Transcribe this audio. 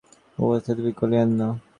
মহারাজও সে-বিষয়ে কোনো কথা উত্থাপিত করিলেন না।